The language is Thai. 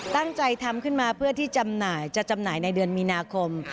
ตั้งใจทำขึ้นมาเพื่อที่จำหน่ายจะจำหน่ายในเดือนมีนาคม